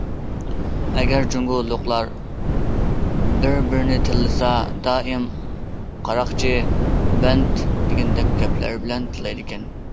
ئەگەر جۇڭگولۇقلار بىر- بىرىنى تىللىسا دائىم« قاراقچى، باندىت» دېگەندەك گەپلەر بىلەن تىللايدىكەن.